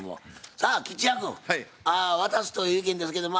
さあ吉弥君渡すという意見ですけどま